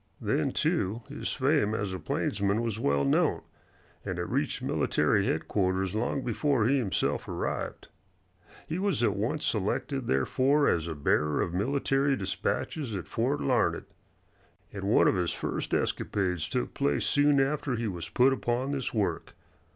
Then, too, his fame as a plainsman was well known, and it reached military headquarters long before he himself arrived. He was at once selected, therefore, as a bearer of military dispatches at Fort Larned, and one of his first escapades took place soon after he was put upon this work.